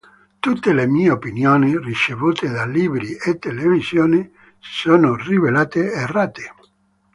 Tutte le mie opinioni, ricevute da libri e televisione, si sono rivelate errate".